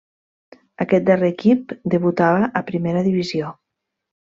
Aquest darrer equip debutava a primera divisió.